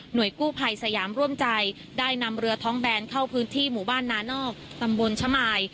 โดยกู้ภัยสยามร่วมใจได้นำเรือท้องแบนเข้าพื้นที่หมู่บ้านนานอกตำบลชะมาย